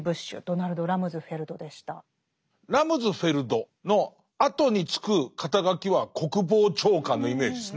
ラムズフェルドのあとに付く肩書は「国防長官」のイメージですね。